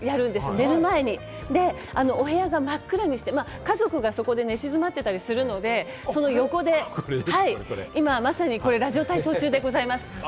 寝る前にお部屋が真っ暗にして、家族がそこで寝静まってるいるので、その横で今、まさにラジオ体操中でございます。